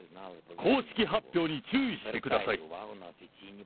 公式発表に注意してください。